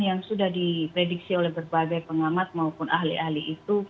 yang sudah diprediksi oleh berbagai pengamat maupun ahli ahli itu